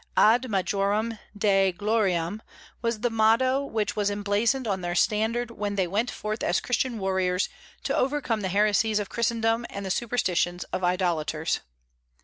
Ad majoram Dei gloriam was the motto which was emblazoned on their standard when they went forth as Christian warriors to overcome the heresies of Christendom and the superstitions of idolaters.